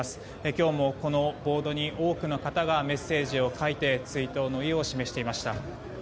今日も、このボードに多くの方がメッセージを書いて追悼の意を示していました。